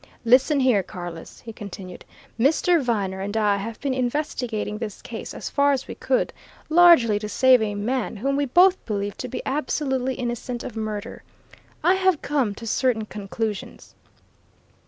"Listen here, Carless!" he continued. "Mr. Viner and I have been investigating this case as far as we could, largely to save a man whom we both believe to be absolutely innocent of murder. I have come to certain conclusions.